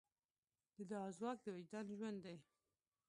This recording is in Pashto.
د دعا ځواک د وجدان ژوند دی.